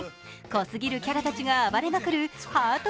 濃すぎるキャラたちが暴れまくるハート